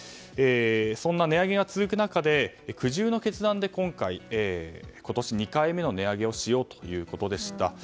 そんな値上げが続く中で苦渋の決断で今回、今年２回目の値上げをしようということでした。